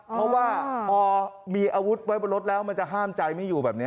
เพราะว่าพอมีอาวุธไว้บนรถแล้วมันจะห้ามใจไม่อยู่แบบนี้